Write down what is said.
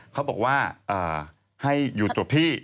เขาบอกว่าให้อยู่จบที่